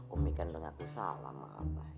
umi kan dengarkan salah sama abah